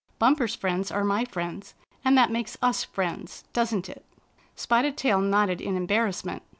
" Bumper's friends are my friends, and that makes us friends, doesn't it?" Spotted Tail nodded in embarrassment.